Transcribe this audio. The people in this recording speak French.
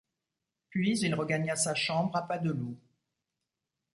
Puis il regagna sa chambre à pas de loup.